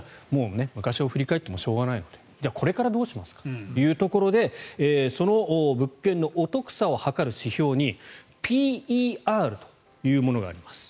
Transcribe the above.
昔を振り返ってもしょうがないのでこれからどうしますかというところでその物件のお得さを測る指標にＰＥＲというものがあります。